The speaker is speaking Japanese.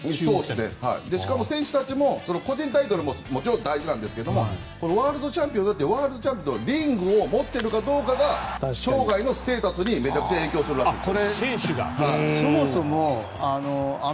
それに選手たちも個人タイトルももちろん大事なんですがワールドチャンピオンになってそのリングを持っているかどうかが生涯のステータスにめちゃくちゃ影響するわけです。